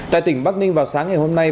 tại tỉnh bắc ninh vào sáng ngày hôm nay